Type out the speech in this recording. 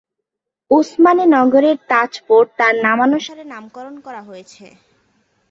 ওসমানী নগরের তাজপুর তার নামানুসারে নামকরণ করা হয়েছে।